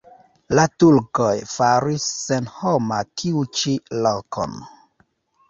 La turkoj faris senhoma tiu ĉi lokon.